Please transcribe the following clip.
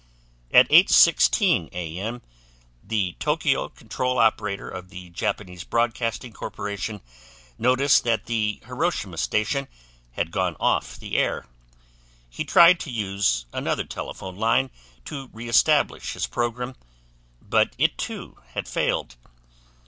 At 8:16 A.M., the Tokyo control operator of the Japanese Broadcasting Corporation noticed that the Hiroshima station had gone off the air. He tried to use another telephone line to reestablish his program, but it too had failed.